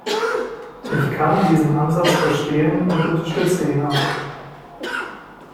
Ich kann diesen Ansatz verstehen und unterstütze ihn auch.